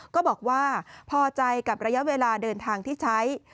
ก็บอกว่าพอใจกับระยะเวลาเดินทางที่ใช้